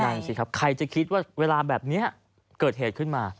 นั่นสิครับใครจะคิดว่าเวลาแบบนี้เกิดเหตุขึ้นมา